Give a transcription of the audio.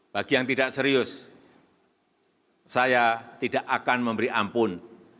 bagi yang tidak serius saya tidak akan memberi ampun